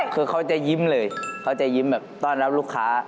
คือเขาจะยิ้มเลยเขาจะยิ้มแบบต้อนรับลูกค้า